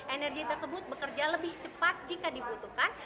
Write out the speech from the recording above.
energi tersebut bekerja lebih cepat jika dibutuhkan